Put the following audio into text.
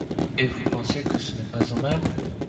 Et vous pensez que ce n’est pas en mal.